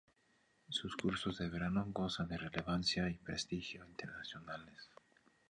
Sus cursos de verano gozan de relevancia y prestigio internacionales.